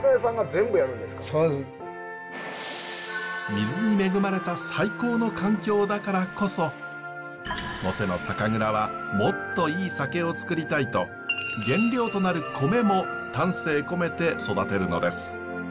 水に恵まれた最高の環境だからこそ能勢の酒蔵はもっといい酒をつくりたいと原料となる米も丹精込めて育てるのです。